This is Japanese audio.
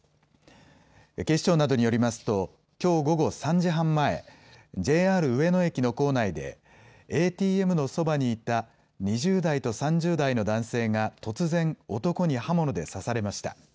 警視庁などによりますと、きょう午後３時半前、ＪＲ上野駅の構内でＡＴＭのそばにいた２０代と３０代の男性が突然、男に刃物で刺されました。